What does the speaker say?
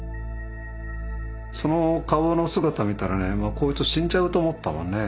その顔の姿見たらねこいつ死んじゃうと思ったもんね。